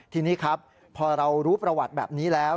ทีนี้ครับพอเรารู้ประวัติแบบนี้แล้ว